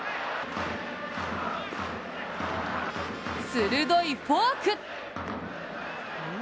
鋭いフォーク！